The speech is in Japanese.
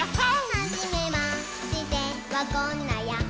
「はじめましてはこんなヤッホ」